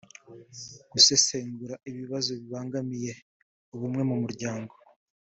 gusesengura ibibazo bibangamiye ubumwe mu muryango